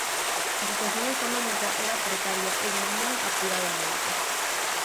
A situación económica era precaria e vivían apuradamente.